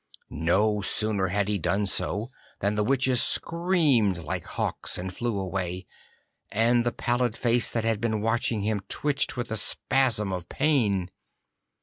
No sooner had he done so than the witches screamed like hawks and flew away, and the pallid face that had been watching him twitched with a spasm of pain.